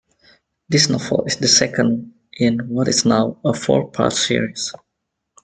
This novel is the second in what is now a four-part series.